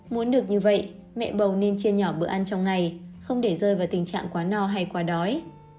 muốn được như vậy mẹ bầu nên chia nhỏ bữa ăn trong ngày không để rơi vào tình trạng quá no hay qua đói